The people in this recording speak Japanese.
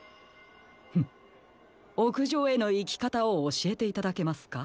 おくじょうへのいきかたをおしえていただけますか？